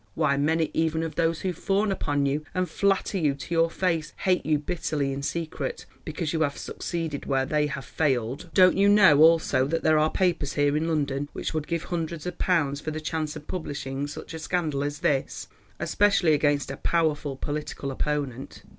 Why many even of those who fawn upon you and flatter you to your face, hate you bitterly in secret, because you have succeeded where they have failed. Don't you know also that there are papers here in London which would give hundreds of pounds for the chance of publishing such a scandal as this, especially against a powerful political opponent.